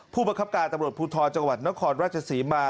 ผู้บังคับการตำรวจภูทรจังหวัดนครราชศรีมา